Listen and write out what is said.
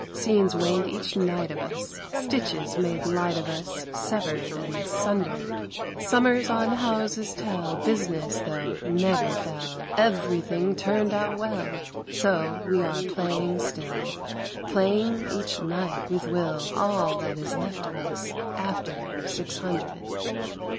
Scenes waned each night of us, Stitches made light of us. Severed and sundered ;'' Summers on ' houses ' tell, "Business," tho', never fell. Everything turned out well, So, we are playing still. Playing each flight with will. All that is left of us After Six Hundred